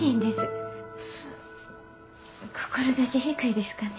志低いですかね？